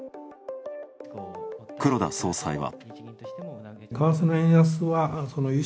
黒田総裁は。